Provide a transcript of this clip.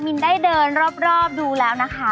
ินได้เดินรอบดูแล้วนะคะ